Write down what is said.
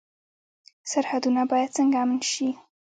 سرحدونه باید څنګه امن شي؟